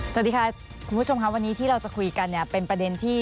สวัสดีค่ะคุณผู้ชมค่ะวันนี้ที่เราจะคุยกันเนี่ยเป็นประเด็นที่